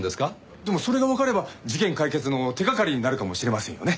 でもそれがわかれば事件解決の手がかりになるかもしれませんよね。